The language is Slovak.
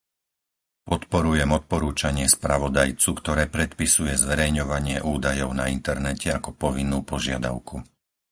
Podporujem odporúčanie spravodajcu, ktoré predpisuje zverejňovanie údajov na internete ako povinnú požiadavku.